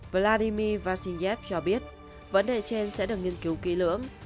vladimir vasilyev cho biết vấn đề trên sẽ được nghiên cứu ký lưỡng